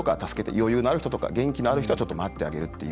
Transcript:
余裕のある人とか元気のある人はちょっと待ってあげるっていう。